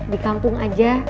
di kampung aja